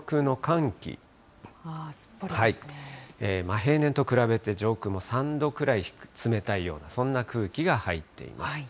平年と比べて、上空も３度くらい冷たいような、そんな空気が入っています。